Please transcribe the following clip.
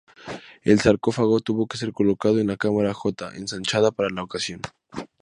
El sarcófago tuvo que ser colocado en la cámara J, ensanchada para la ocasión.